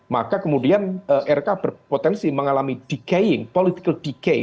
maka kemudian rk berpotensi mengalami decaying political decay